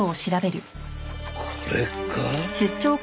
これか？